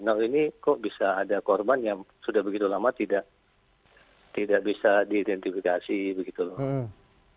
nah ini kok bisa ada korban yang sudah begitu lama tidak bisa diidentifikasi begitu loh